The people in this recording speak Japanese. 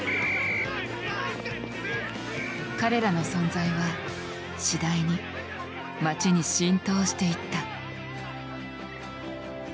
彼らの存在は次第に町に浸透していった。